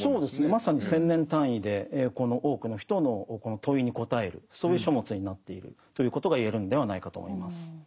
まさに１，０００年単位でこの多くの人の問いに答えるそういう書物になっているということが言えるんではないかと思います。